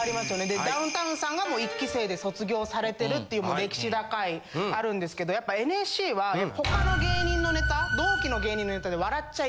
でダウンタウンさんがもう１期生で卒業されてるっていう歴史高いあるんですけどやっぱＮＳＣは他の芸人のネタ。